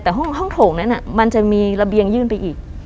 แต่ห้องโถงนั้นมันจะมีระเบียงยื่นไปอีก